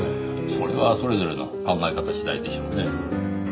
それはそれぞれの考え方次第でしょうねぇ。